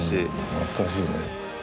懐かしいね。